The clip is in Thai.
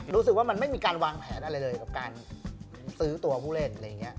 รู้สึกว่ามันไม่มีการวางแผนอะไรเลยกับการซื้อตัวผู้เล่น